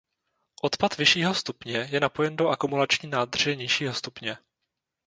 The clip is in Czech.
Odpad vyššího stupně je napojen do akumulační nádrže nižšího stupně.